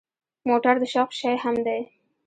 موټر د شوق شی هم دی.